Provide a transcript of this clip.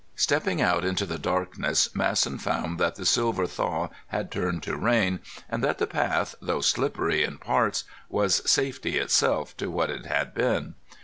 Stepping out into the darkness, Masson found that the silver thaw had turned to rain, and that the path, though slippery in parts, was safety itself to what it had been.